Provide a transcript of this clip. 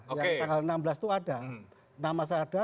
yang tanggal enam belas itu ada nama saya ada